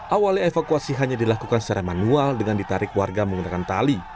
awalnya evakuasi hanya dilakukan secara manual dengan ditarik warga menggunakan tali